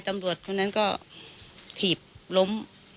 ขนาดนี้น้องก็หยิบล้ม